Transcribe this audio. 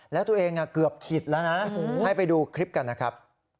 แล้วตัวเองเกือบขิดแล้วนะให้ไปดูคลิปกันนะครับ